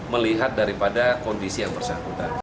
melihat daripada kondisi yang bersangkutan